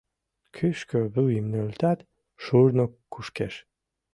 Кӱшкӧ вуйым нӧлтат Шурно кушкеш.